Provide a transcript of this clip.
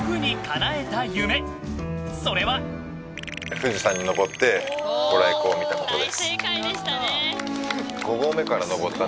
富士山に登ってご来光を見たことです。